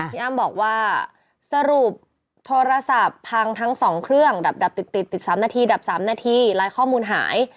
อ้ำบอกว่าสรุปโทรศัพท์พังทั้ง๒เครื่องดับติดติด๓นาทีดับ๓นาทีลายข้อมูลหาย